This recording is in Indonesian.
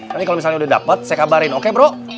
nanti kalau misalnya udah dapet saya kabarin oke bro